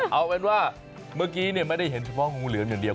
เอาเป็นว่าเมื่อกี้ไม่ได้เห็นเฉพาะงูเหลือมอย่างเดียว